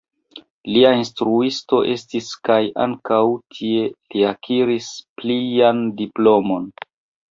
Lia instruisto estis kaj ankaŭ tie li akiris plian diplomon.